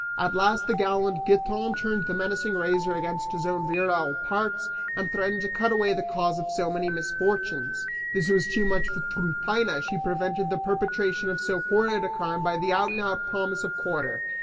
At last the gallant Giton turned the menacing razor against his own virile parts, and threatened to cut away the cause of so many misfortunes. This was too much for Tryphaena; she prevented the perpetration of so horrid a crime by the out and out promise of quarter.